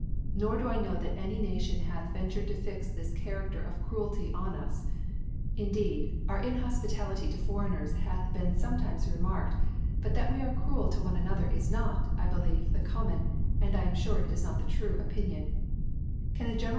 Nor do 1 know chat any Nation hath ventured to fix this Charafter of Cruelty on us. Indeed our Inhofpitality to Foreigners hath been fbmetimes remarked ; but that we are cruel to one another is not, I believe, the com mon, I am fure it is not the true Opinion • *Vol.II. p. I. D Can ( 50 ) Can. a general N.